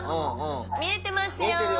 見えてますよ。